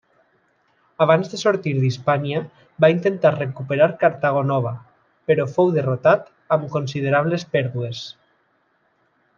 Abans de sortir d'Hispània va intentar recuperar Cartago Nova però fou derrotat amb considerables pèrdues.